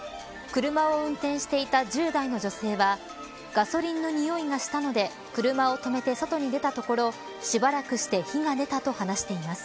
車を運転していた１０代の女性はガソリンの臭いがしたので車を止めて外に出たところしばらくして火が出たと話しています。